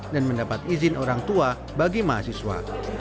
dan mendapat izin orang tua bagi mahasiswa